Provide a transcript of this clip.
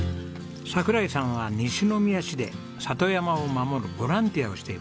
櫻井さんは西宮市で里山を守るボランティアをしています。